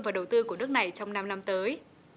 và đầu tư của nước này trong năm năm tới